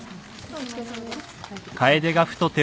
お疲れさまです。